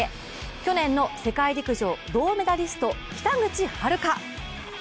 去年の世界陸上銅メダリスト、北口榛花。